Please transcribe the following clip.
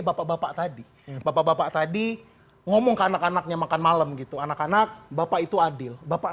bapak tadi bapak bapak tadi ngomong kanak kanaknya makan malam gitu anak anak bapak itu adil bapak